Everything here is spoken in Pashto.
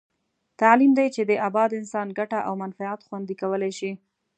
تعلیم دی چې د اباد انسان ګټه او منفعت خوندي کولای شي.